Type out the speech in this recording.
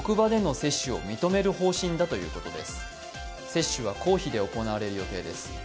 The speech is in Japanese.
接種は公費で行われる予定です。